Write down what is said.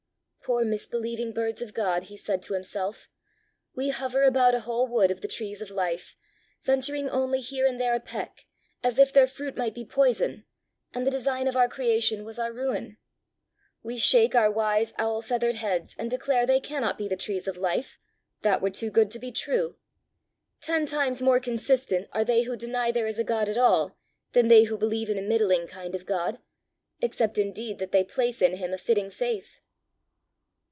"Poor misbelieving birds of God," he said to himself, "we hover about a whole wood of the trees of life, venturing only here and there a peck, as if their fruit might be poison, and the design of our creation was our ruin! we shake our wise, owl feathered heads, and declare they cannot be the trees of life: that were too good to be true! Ten times more consistent are they who deny there is a God at all, than they who believe in a middling kind of God except indeed that they place in him a fitting faith!"